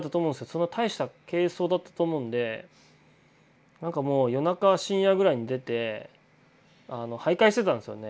そんな大した軽装だったと思うんでなんかもう夜中深夜ぐらいに出て徘徊してたんですよね。